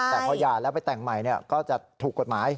แต่พอหย่าแล้วไปแต่งใหม่ก็จะถูกกฎหมาย